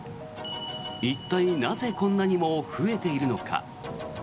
一体、なぜこんなにも増えているのか。